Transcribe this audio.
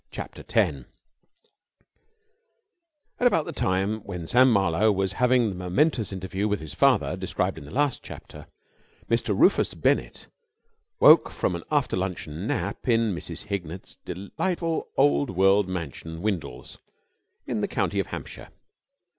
CHAPTER TEN At about the time when Sam Marlowe was having the momentous interview with his father, described in the last chapter, Mr. Rufus Bennett woke from an after luncheon nap in Mrs. Hignett's delightful old world mansion, Windles, in the county of Hampshire.